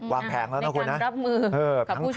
วางแผงแล้วนะครับคุณฮะในการรับมือกับผู้ชุมหนุ่ม